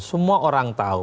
semua orang tahu